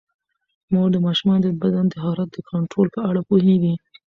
مور د ماشومانو د بدن د حرارت د کنټرول په اړه پوهیږي.